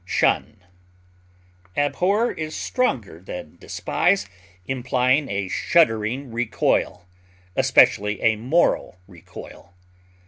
detest, Abhor is stronger than despise, implying a shuddering recoil, especially a moral recoil.